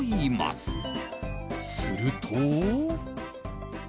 すると。